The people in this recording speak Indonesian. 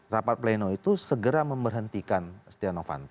rapat pleno itu segera memberhentikan setia novanto